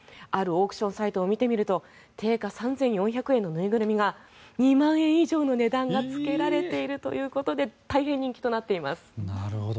あるオークションサイトを見てみると定価３４００円の縫いぐるみが２万円以上の値段がつけられているということで大変人気となっています。